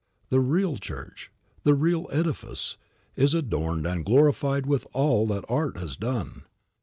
The real church, the real edifice, is adorned and glorified with all that Art has done.